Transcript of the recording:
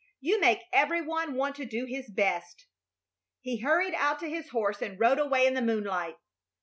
"You make every one want to do his best." He hurried out to his horse and rode away in the moonlight.